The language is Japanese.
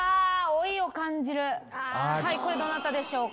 これどなたでしょうか。